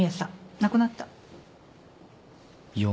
亡くなった。